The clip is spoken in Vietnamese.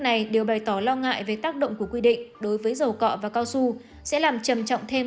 này đều bày tỏ lo ngại về tác động của quy định đối với dầu cọ và cao su sẽ làm trầm trọng thêm